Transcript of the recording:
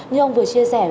như ông vừa chia sẻ